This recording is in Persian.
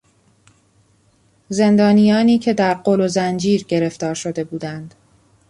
زندانیانی که در قل و زنجیر گرفتار شده بودند